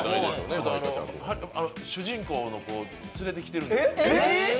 主人公の子、連れてきてるんです。